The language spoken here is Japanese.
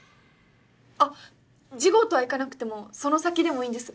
あっ次号とはいかなくてもその先でもいいんです。